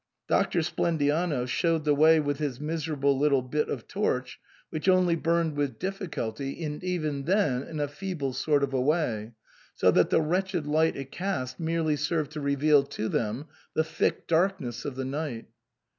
Doctor Splendiano showed the way with his miserable little bit of torch, which only burned with difficulty, and even then in a feeble sort of a way, so that the wretched light it cast merely served to reveal to them the thick darkness of the night.